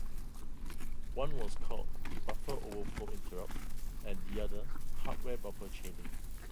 One was called the buffer overflow interrupt and the other hardware buffer chaining.